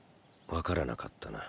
わからなかったな。